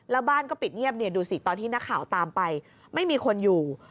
แล้วบ้านก็ปิดเงียบดูสิตอนที่นักข่าวตามไปไม่มีคนอยู่